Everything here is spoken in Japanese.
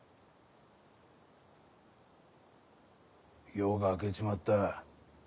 夜が明けちまった。